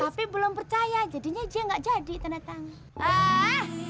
tapi belum percaya jadinya dia nggak jadi tanda tangan